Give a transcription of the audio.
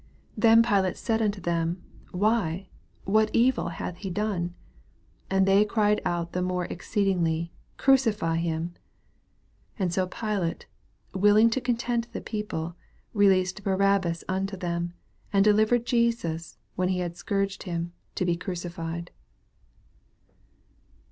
14 Then Pilate said unto them. Why, what evil hath ho done ? And they cried out the more exceedingly, Crucify him. 15 And so Pilate, willing to content the people, released Barabbas unt< them, and delivered Jesus, when he had scourged him, to be crucified.